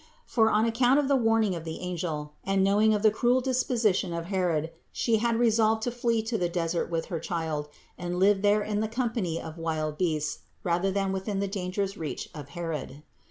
For on account of the warning of the angel, and knowing of the cruel dispo sition of Herod, she had resolved to flee to the desert with her child and live there in the company of wild beasts rather than within the dangerous reach of Herod.